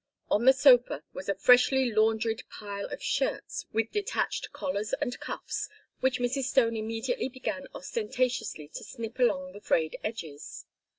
On the sofa was a freshly laundried pile of shirts with detached collars and cuffs, which Mrs. Stone immediately began ostentatiously to snip along the frayed edges.